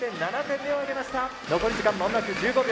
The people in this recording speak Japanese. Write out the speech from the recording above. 残り時間まもなく１５秒。